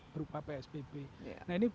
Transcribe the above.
berupa psbb nah ini